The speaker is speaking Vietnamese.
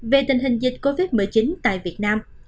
về tình hình dịch covid một mươi chín tại việt nam